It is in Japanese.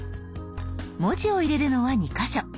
文字を入れるのは２か所。